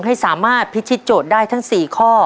ให้สามารถพิธีโจทย์ได้ทั้ง๔ข้อ